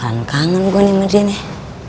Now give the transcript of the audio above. kangen kangen gue nih sama dia nih